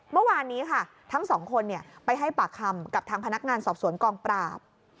เมื่อวานนี้ค่ะทั้งสองคนไปให้ปากคำกับทางพนักงานสอบสวนกองปราบ